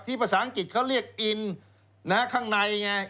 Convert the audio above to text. ที่ภาษาอังกฤษเขาเรียกอินนะครับข้างในไง